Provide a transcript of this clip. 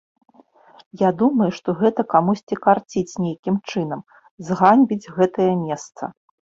Я думаю, што гэта камусьці карціць нейкім чынам зганьбіць гэтае месца.